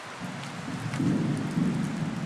黄牛奶树为山矾科山矾属下的一个种。